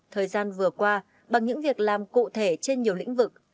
thời gian vừa qua bằng những việc làm cụ thể trên nhiều lĩnh vực